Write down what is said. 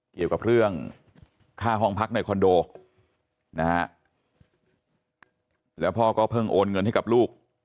เกี่ยวกับเรื่องค่าห้องพักในคอนโดนะฮะแล้วพ่อก็เพิ่งโอนเงินให้กับลูก